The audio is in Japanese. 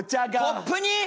コップに！？